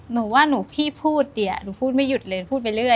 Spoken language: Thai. หนูว่าหนูที่พูดเนี่ยหนูพูดไม่หยุดเลยพูดไปเรื่อย